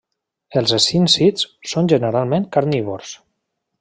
Els escíncids són generalment carnívors.